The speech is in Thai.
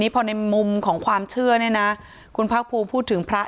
พอในมุมของความเชื่อเนี่ยนะคุณภาคภูมิพูดถึงพระ